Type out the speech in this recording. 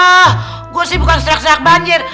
ah gue sih bukan serak serak banjir